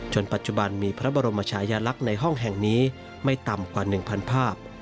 ปัจจุบันมีพระบรมชายลักษณ์ในห้องแห่งนี้ไม่ต่ำกว่า๑๐๐ภาพ